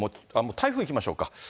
台風いきましょうか。